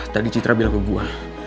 tadi citra bilang ke gua